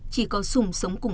chỉ có sùng sống khỏi nhà